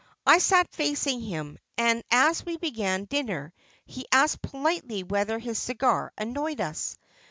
I sat facing him, and as we began dinner he asked politely whether his cigar annoyed us.